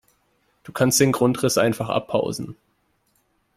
Du kannst den Grundriss einfach abpausen.